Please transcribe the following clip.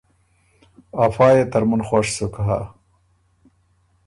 افا يې ترمُن خوش سُک هۀ